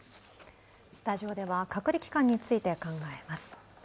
スタジオでは隔離期間について考えます。